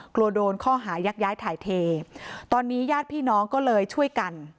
กลัวโดนข้อหายักย้ายถ่ายเทตอนนี้ญาติพี่น้องก็เลยช่วยกัน